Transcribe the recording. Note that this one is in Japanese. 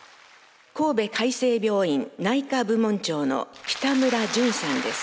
神戸海星病院内科部門長の北村順さんです。